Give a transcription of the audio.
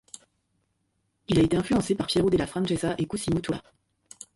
Il a été influencé par Piero della Francesca et Cosimo Tura.